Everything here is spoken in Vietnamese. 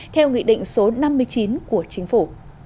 theo nghị định số năm mươi chín của chính phủ